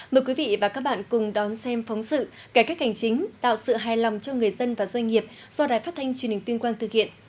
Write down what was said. mời quý vị và các bạn cùng đón xem phóng sự cải cách hành chính tạo sự hài lòng cho người dân và doanh nghiệp do đài phát thanh truyền hình tuyên quang thực hiện